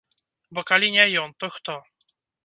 Бо калі не ён, то хто?